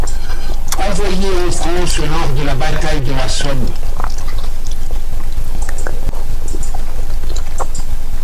Envoyé en France lors de la Bataille de la Somme.